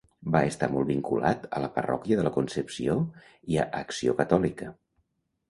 Va estar molt vinculat a la Parròquia de la Concepció i a Acció Catòlica.